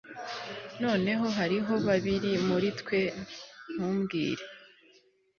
Noneho hariho babiri muri twe ntubwire